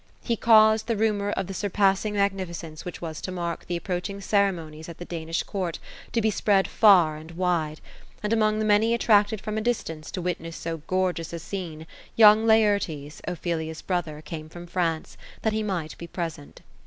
He caused the rumour of the surpassing magnificence which was to mark the approach ing ceremonies at the Danish court to be spread far and wide ; and, among the many attracted from a distance, to witness so gorgeous a scene, young Laertes, Ophelia's brother, came from France, that he might be present.